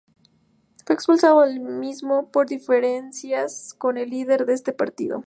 Fue expulsado del mismo por diferencias con el líder de ese partido.